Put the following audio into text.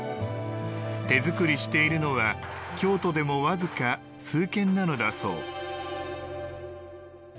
手作りしているのは京都でもわずか数軒なのだそう。